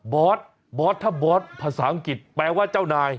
อสบอสถ้าบอสภาษาอังกฤษแปลว่าเจ้านาย